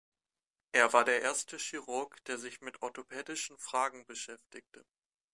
Er war der erste Chirurg, der sich mit orthopädischen Fragen beschäftigte.